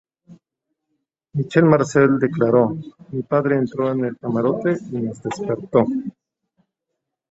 Michel Marcel declaró: "mi padre entró en el camarote y nos despertó.